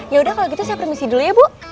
yaudah kalau gitu saya permisi dulu ya bu